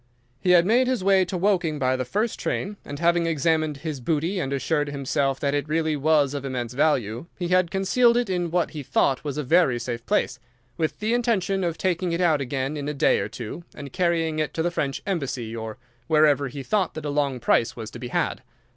"He made his way to Woking by the first train, and having examined his booty and assured himself that it really was of immense value, he had concealed it in what he thought was a very safe place, with the intention of taking it out again in a day or two, and carrying it to the French embassy, or wherever he thought that a long price was to be had.